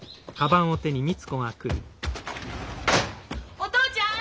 お父ちゃん！